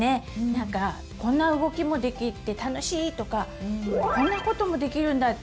なんかこんな動きもできて楽しいとかこんなこともできるんだってね